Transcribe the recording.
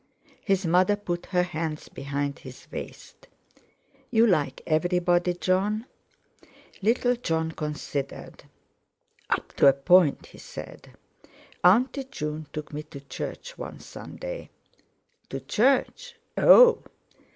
His mother put her hands behind his waist. "You like everybody, Jon?" Little Jon considered. "Up to a point," he said: "Auntie June took me to church one Sunday." "To church? Oh!"